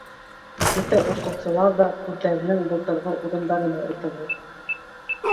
Бөтә уҡыусылар ҙа үҙҙәренең былтырғы урындарына ултырҙы.